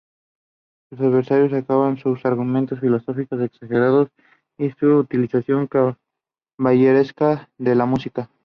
Sus adversarios atacaban sus argumentos filosóficos exagerados y su utilización caballeresca de la música.